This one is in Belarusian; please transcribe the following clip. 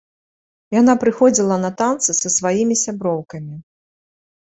Яна прыходзіла на танцы са сваімі сяброўкамі.